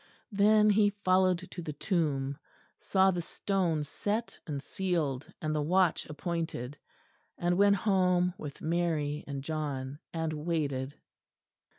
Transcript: Then he followed to the tomb; saw the stone set and sealed and the watch appointed; and went home with Mary and John, and waited.